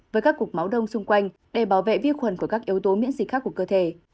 với các cục máu đông xung quanh để bảo vệ vi khuẩn và các yếu tố miễn dịch khác của cơ thể